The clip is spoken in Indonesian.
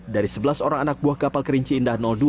dari sebelas orang anak buah kapal kerinci indah dua